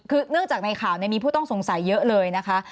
คือเนื่องจากในข่าวมีผู้ต้องสงสัยเยอะเลยนะคะ